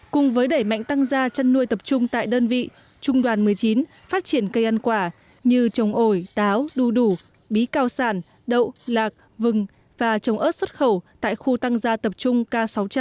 cùng với đẩy mạnh tăng gia chăn nuôi tập trung tại đơn vị trung đoàn một mươi chín phát triển cây ăn quả như trồng ổi táo đu đủ bí cao sản đậu lạc vừng và trồng ớt xuất khẩu tại khu tăng gia tập trung k sáu trăm linh